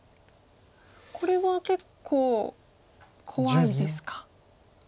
これは結構怖いですか。